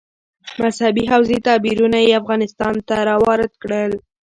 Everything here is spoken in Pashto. مذهبي حوزې تعبیرونه یې افغانستان ته راوارد کړي.